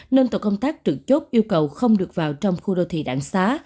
nên tổ công tác trực chốt yêu cầu không được vào trong khu đô thị đạn xá